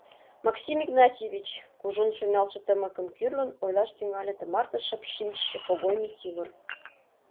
— Максим Игнатьевич, — кужун шуйналтше тымыкым кӱрлын, ойлаш тӱҥале тымарте шып шинчыше Когой Микивыр.